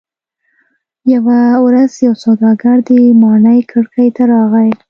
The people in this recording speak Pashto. یوه ورځ یو سوداګر د ماڼۍ کړکۍ ته راغی.